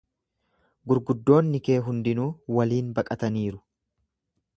Gurguddoonni kee hundinuu waliin baqataniiru.